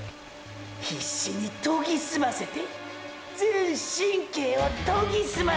必死に研ぎ澄ませてーー全神経を研ぎ澄ませて！！